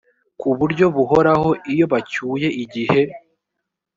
ku buryo buhoraho iyo bacyuye igihe